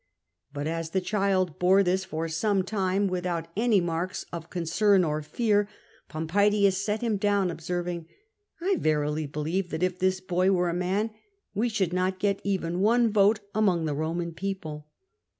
But as the child bore this for some time without CATO AND SULLA 207 any marks of concern or fear, Pompaedins set Mm down, observing, " I verily believe that if this boy were a man, we should not get even one vote among the Roman people."